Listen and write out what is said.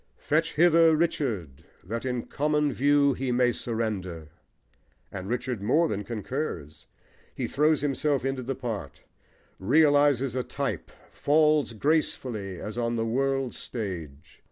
Fetch hither Richard that in common view He may surrender! And Richard more than concurs: he throws himself into the part, realises a type, falls gracefully as on the world's stage.